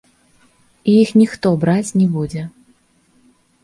І іх ніхто браць не будзе.